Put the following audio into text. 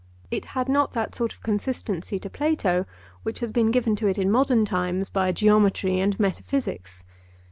It had not that sort of consistency to Plato which has been given to it in modern times by geometry and metaphysics.